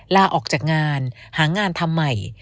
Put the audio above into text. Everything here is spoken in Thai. ลาออกจากงานหางานทำใหม่